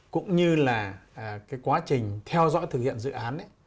cũng như là cái quá trình theo dõi thực hiện dự án ấy